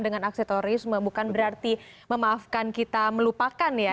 dengan aksesorisme bukan berarti memaafkan kita melupakan ya